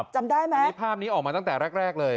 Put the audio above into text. จำได้ไหมมีภาพนี้ออกมาตั้งแต่แรกเลย